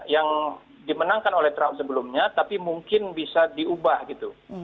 yang dimenangkan oleh trump sebelumnya tapi mungkin bisa diubah gitu